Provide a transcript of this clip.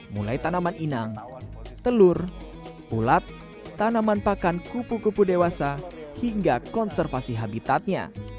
mulai tanaman inang telur ulat tanaman pakan kupu kupu dewasa hingga konservasi habitatnya